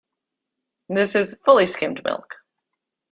This is fully skimmed milk.